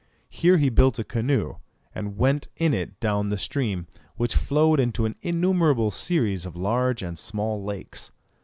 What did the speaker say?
Here he built a canoe, and went in it down the stream, which flowed into an innumerable series of large and small lakes.